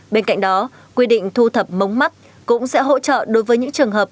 bên cạnh đó quy định thu thập mống mắt cũng sẽ hỗ trợ đối với những trường hợp